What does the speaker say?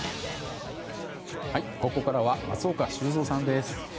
ここからは松岡修造さんです。